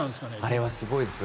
あれはすごいですよ。